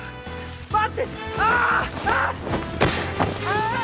ああ！